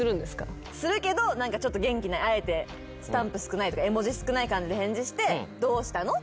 するけどちょっと元気ないあえてスタンプ少ないとか絵文字少ない感じで返事して。